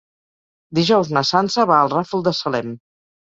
Dijous na Sança va al Ràfol de Salem.